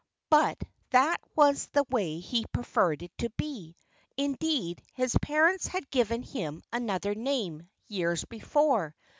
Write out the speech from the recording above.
But that was the way he preferred it to be. Indeed, his parents had given him another name, years before.